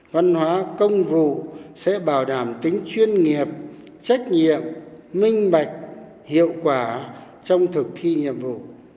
văn hóa công vụ sẽ bảo đảm tính chuyên nghiệp trách nhiệm minh bạch hiệu quả trong thực thi nhiệm vụ